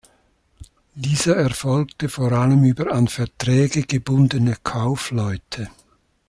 Dieser erfolgte vor allem über an Verträge gebundene Kaufleute.